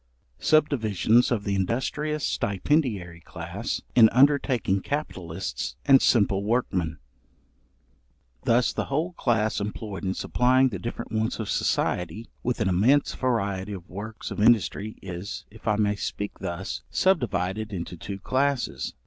Subdivisions of the industrious stipendiary class, in undertaking capitalists and simple workmen. Thus the whole class employed in supplying the different wants of society, with an immense variety of works of industry, is, if I may speak thus, subdivided into two classes.